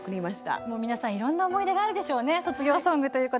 皆さんいろんな思い出があるでしょうね。